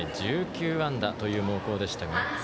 １９安打という猛攻でした。